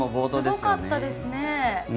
すごかったですね。